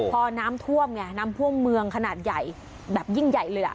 พอน้ำท่วมไงน้ำท่วมเมืองขนาดใหญ่แบบยิ่งใหญ่เลย